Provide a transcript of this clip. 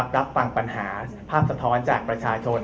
รับฟังปัญหาภาพสะท้อนจากประชาชน